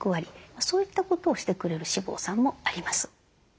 そういったことをしてくれる脂肪酸もあります。